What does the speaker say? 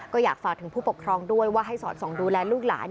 ก็อยากฝากถึงผู้ปกครองด้วยว่าให้สอดส่องดูแลลูกหลาน